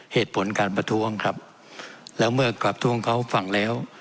เหตุผลการประท้วงครับแล้วเมื่อกลับทวงเขาฟังแล้ว